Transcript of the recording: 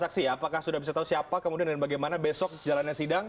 kita masih tahu siapa kemudian dan bagaimana besok jalannya sidang